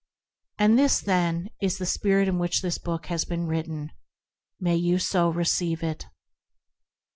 And this, then, is the Spirit in which this book has been written. May you so receive it.